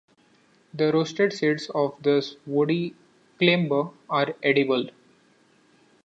The roasted seeds of this woody climber are edible.